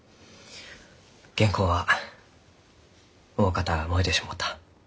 原稿はおおかた燃えてしもうた。